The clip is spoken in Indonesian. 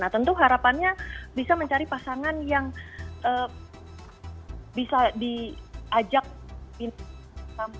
nah tentu harapannya bisa mencari pasangan yang bisa diajak ke tempat yang lebih baik